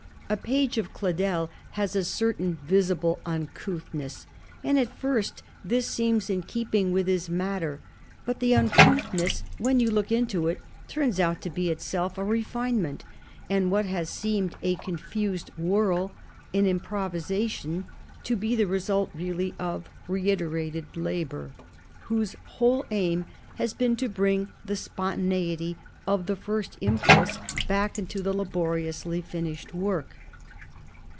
A page of Cladel has a certain visible uncouthness, and at first this seems in keeping with his matter; but the uncouthness, when you look into it, turns out to be itself a refinement, and what has seemed a confused whirl, an improvisation, to be the result really of reiterated labour, whose whole aim has been to bring the spontaneity of the first impulse back into the laboriously finished work.